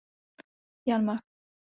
Jan Mach.